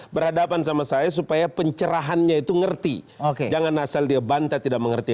berhadapan sama saya supaya pencerahannya itu ngerti jangan asal dia bantah tidak mengerti